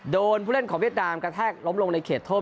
ผู้เล่นของเวียดนามกระแทกล้มลงในเขตโทษ